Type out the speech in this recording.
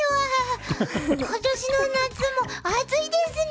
今年の夏も暑いですね。